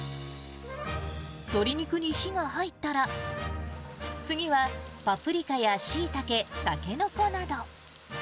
鶏肉に火が入ったら、次はパプリカやしいたけ、たけのこなど。